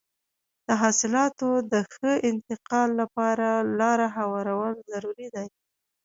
د حاصلاتو د ښه انتقال لپاره لاره هوارول ضروري دي.